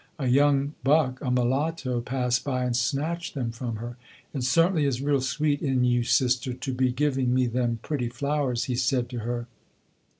A young buck, a mulatto, passed by and snatched them from her. "It certainly is real sweet in you sister, to be giving me them pretty flowers," he said to her.